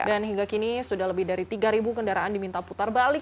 dan hingga kini sudah lebih dari tiga kendaraan diminta putar balik